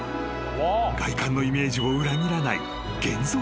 ［外観のイメージを裏切らない］